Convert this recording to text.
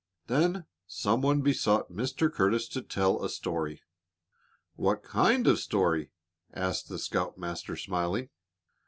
Then some one besought Mr. Curtis to tell a story. "What kind of a story?" asked the scoutmaster, smiling.